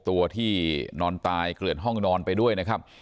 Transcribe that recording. ตัวที่นอนตายเกลื่อนห้องนอนไปด้วยนะครับ